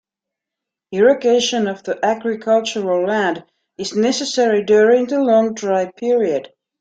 Irrigation of the agricultural land is necessary during the long dry period.